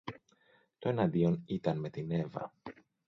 Το εναντίον ήταν με την Εύα